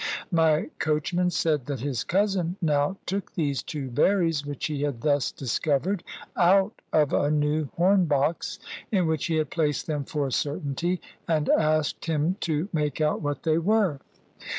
My coachman said that his cousin now took these two berries which he had thus discovered out of a new horn box, in which he had placed them for certainty, and asked him to make out what they were.